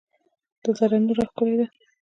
د دره نور ښکلې ده